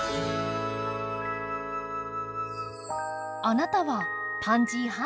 あなたはパンジー派？